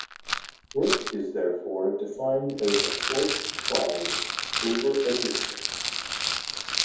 Work is therefore defined as the force applied over a distance